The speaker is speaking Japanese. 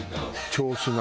銚子の。